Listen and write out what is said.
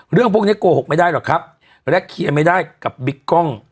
เรื่องพวกนี้โกหกไม่ได้หรอกครับและเคลียร์ไม่ได้กับบิ๊กกล้อง